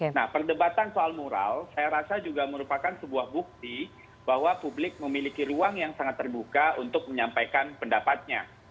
nah perdebatan soal mural saya rasa juga merupakan sebuah bukti bahwa publik memiliki ruang yang sangat terbuka untuk menyampaikan pendapatnya